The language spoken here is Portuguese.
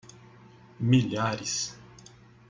Milhares